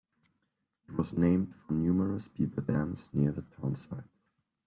It was named for numerous beaver dams near the town site.